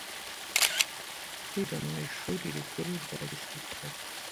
kwiga mu Ishuri Rikuru rya Gisirikare